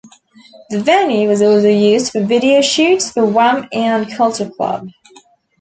The venue was also used for video shoots for Wham and Culture Club.